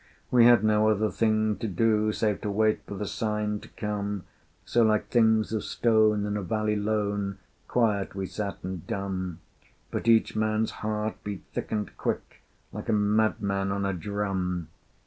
We had no other thing to do, Save to wait for the sign to come: So, like things of stone in a valley lone, Quiet we sat and dumb: But each man's heart beat thick and quick Like a madman on a drum!